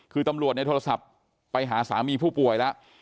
คือตำรวจโทรศัพท์ไปหาสามีผู้ป่วยแล้ว